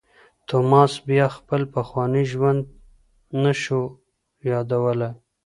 توماس بیا خپل پخوانی ژوند نه شو یادولای.